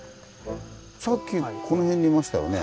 さっきこの辺にいましたよね。